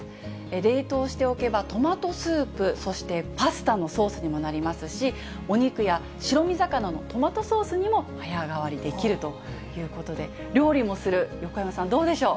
冷凍しておけばトマトスープ、そしてパスタのソースにもなりますし、お肉や白身魚のトマトソースにも早変わりできるということで、料理もする横山さん、どうでしょう。